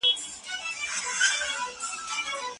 پښتانه په خپلو کیسو کي مېړانه لري.